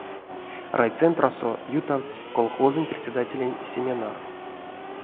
Райцентрасо ютавтсть колхозонь председателень семинар.